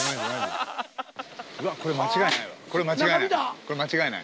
これ間違いない。